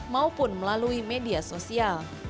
maupun melalui media sosial